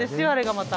また。